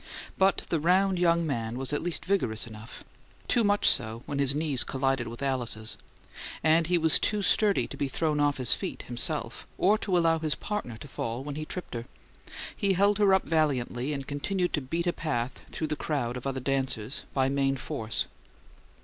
But the round young man was at least vigorous enough too much so, when his knees collided with Alice's and he was too sturdy to be thrown off his feet, himself, or to allow his partner to fall when he tripped her. He held her up valiantly, and continued to beat a path through the crowd of other dancers by main force.